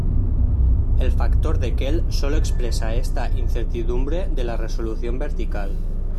El factor de Kell sólo expresa esta incertidumbre de la resolución vertical.